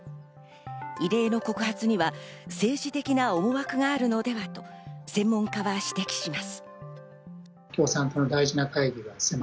異例の告発には政治的な思惑があるのではと専門家は指摘します。